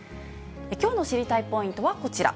きょうの知りたいポイントはこちら。